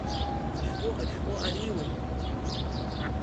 Ашәҟәы ашәҟәы ариуеит.